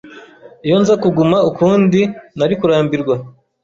Iyo nza kuguma ukundi, nari kurambirwa.